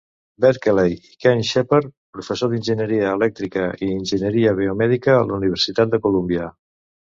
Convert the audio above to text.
Berkeley, i Ken Shepard, Professor d'Enginyeria Elèctrica i Enginyeria Biomèdica a la Universitat de Columbia.